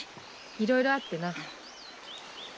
いろいろあってな。